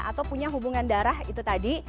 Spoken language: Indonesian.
atau punya hubungan darah itu tadi